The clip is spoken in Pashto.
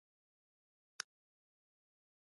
توپان پیل شو.